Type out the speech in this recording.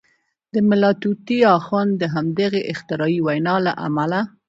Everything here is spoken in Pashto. د ملا طوطي اخند د همدغې اختراعي وینا له امله.